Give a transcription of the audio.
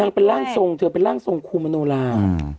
เป็นร่างทรงเธอเป็นร่างทรงครูมโนรา